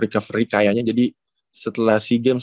recovery kayaknya jadi setelah sea games